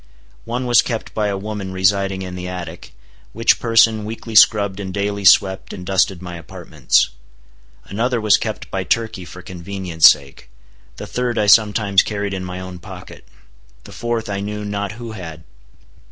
One was kept by a woman residing in the attic, which person weekly scrubbed and daily swept and dusted my apartments. Another was kept by Turkey for convenience sake. The third I sometimes carried in my own pocket. The fourth I knew not who had.